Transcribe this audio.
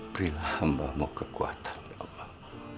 berilah hamba mu kekuatan ya allah